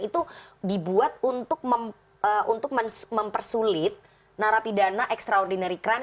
itu dibuat untuk mempersulit narapidana extraordinary crime